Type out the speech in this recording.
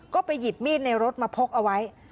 ก็ไปหยิบมีดในรถมาพกเอาไว้